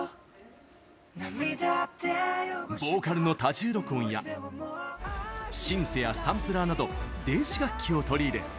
ボーカルの多重録音やシンセやサンプラーなど電子楽器を取り入れ